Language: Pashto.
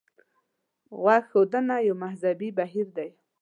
غوږ کېښودنه یو ذهني بهیر دی.